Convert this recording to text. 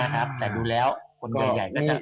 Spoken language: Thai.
แต่ดูแล้วคนใหญ่ก็จะ